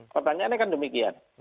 pertanyaannya kan demikian